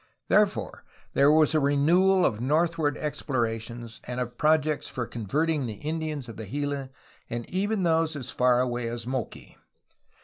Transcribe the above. Therefore, there was a renewal of northward explorations and of projects for converting the Indians of the Gila and even those as far away as Moqui.